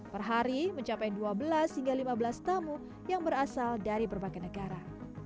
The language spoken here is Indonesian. perhari mencapai dua belas hingga lima belas tamu yang berasal dari berbagai negara